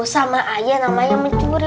sama ayah namanya mencuri